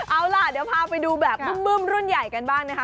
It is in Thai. เอาล่ะเดี๋ยวพาไปดูแบบบึ้มรุ่นใหญ่กันบ้างนะคะ